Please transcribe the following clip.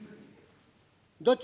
「どっち？